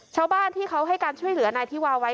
ชาวบ้านที่เขาให้การช่วยเหลือนายที่วาไว้